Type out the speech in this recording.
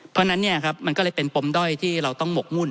เพราะฉะนั้นมันก็เลยเป็นปมด้อยที่เราต้องหมกมุ่น